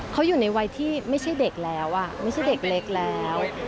เขาอยู่ในวัยที่ไม่ใช่เด็กแล้วไม่ใช่เด็กเล็กแล้ว